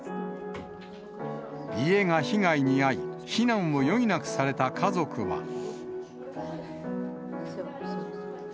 家が被害に遭い、避難を余儀なくされた家族は。